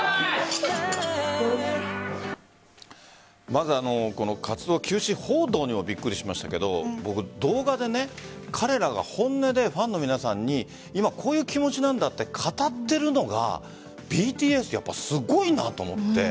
まず、この活動休止報道にもびっくりしましたけど僕、動画で彼らが本音でファンの皆さんに今、こういう気持ちなんだと語っているのがＢＴＳやっぱりすごいなと思って。